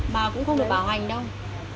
bà cũng không được bảo hành đâu